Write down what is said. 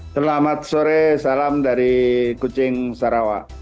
selamat sore salam dari kucing sarawa